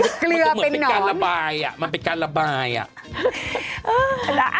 มันก็เหมือนเป็นการระบายอ่ะมันเป็นการระบายอ่ะ